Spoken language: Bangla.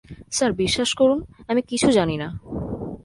স্যার, বিশ্বাস করুন, আমি কিছু জানি না!